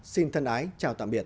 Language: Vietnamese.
xin thân ái chào tạm biệt